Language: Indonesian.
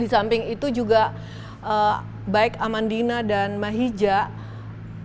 di samping itu juga baik amandina dan mahijab